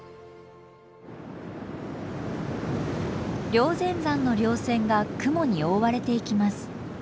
霊仙山のりょう線が雲に覆われていきます。